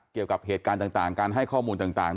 เกี่ยวกับเหตุการณ์ต่างการให้ข้อมูลต่าง